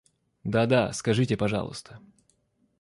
Да-да, скажите пожалуйста.